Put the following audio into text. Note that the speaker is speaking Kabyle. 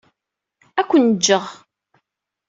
Ad ken-jjeɣ.